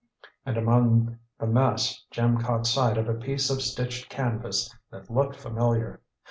And among the mess Jim caught sight of a piece of stitched canvas that looked familiar.